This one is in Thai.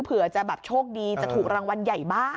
เผื่อจะแบบโชคดีจะถูกรางวัลใหญ่บ้าง